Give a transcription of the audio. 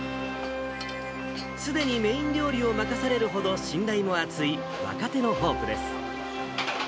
すでにメイン料理を任せられるほど、信頼も厚い、若手のホープです。